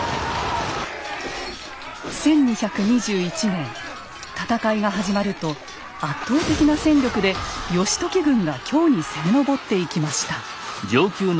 １２２１年戦いが始まると圧倒的な戦力で義時軍が京に攻め上っていきました。